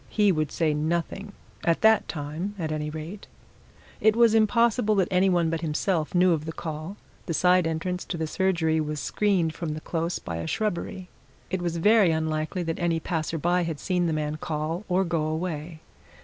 He would say nothing at that time at any rate. It was improbable that any one but himself knew of the call; the side entrance to the surgery was screened from the Close by a shrubbery; it was very unlikely that any passer by had seen the man call or go away.